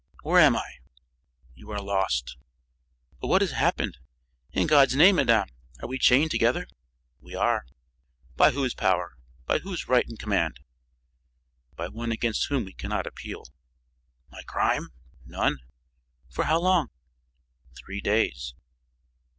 Where am I?" "You are lost." "But what has happened? In God's name, madame, are we chained together?" "We are." "By whose power? By whose right and command?" "By one against whom we cannot appeal." "My crime?" "None." "For how long " "Three days."